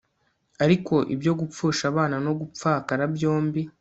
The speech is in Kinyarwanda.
Ariko ibyo gupfusha abana no gupfakara byombi